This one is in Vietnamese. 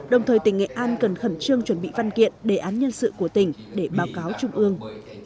đồng thời tỉnh nghệ an cần khẩn trương chuẩn bị văn kiện đề án nhân sự của tỉnh để báo cáo trung ương